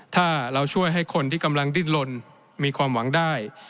ถ้าเราช่วยให้คนที่กำลังดิ้นลนมีความหวังได้